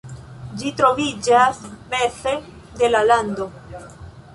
Ĝi troviĝas meze de la lando.